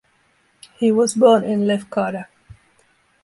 He was born in Lefkada.